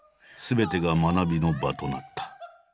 すべてが学びの場となった。